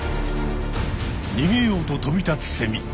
にげようと飛び立つセミ。